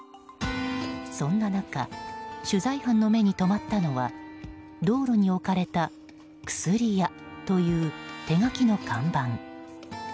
そんな中取材班の目に留まったのは道路に置かれた「くすり屋」という手書きの看板。